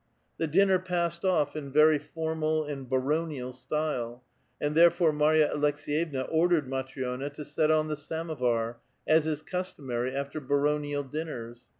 The dinner passed off in very formal and baronial style, and therefore Mary a Aleks^yevna ordered Matri6na to set on the .sanwoar^ as is customary after baronial dinners.